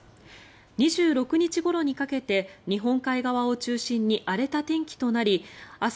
２６日ごろにかけて日本海側を中心に荒れた天気となり明日